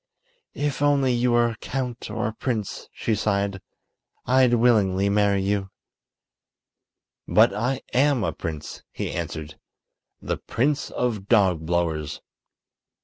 "If only you were a count or a prince," she sighed, "I'd willingly marry you." "But I am a prince," he answered; "the Prince of Dogblowers."